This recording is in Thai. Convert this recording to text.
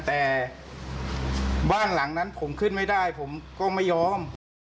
แต่บ้านหลังนั้นผมขึ้นไม่ได้ผมก็ไม่ยอม